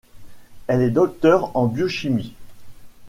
Elle est docteur en biochimie.